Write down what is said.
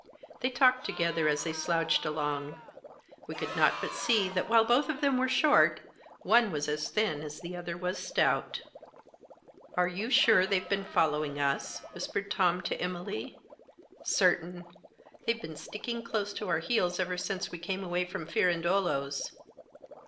They talked together as they slouched along ; we could not but see that, while both of them were short, one was as thin as the other was stout. Digitized by 14 THE JOSS. " Are you sure they've been following us ?" whispered Tom to Emily. u Certain. They've been sticking close at our heels ever since we came away from Firandolo's."